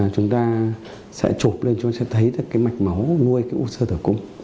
chúng ta sẽ chụp lên chúng ta sẽ thấy cái mạch máu nuôi cái u sơ tử cung